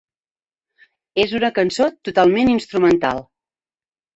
És una cançó totalment instrumental.